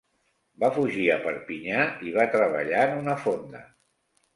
Va fugir a Perpinyà i va treballar en una fonda.